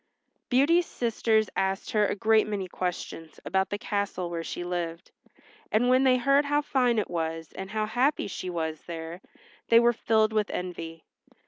Beauty's sisters asked her a great many questions about the castle where she lived, and when they heard how fine it was, and how happy she was there, they were filled with envy.